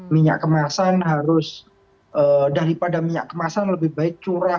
minyak kemasan harus daripada minyak kemasan lebih baik curah